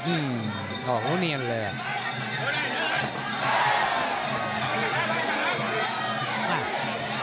พาก็เงียนเลย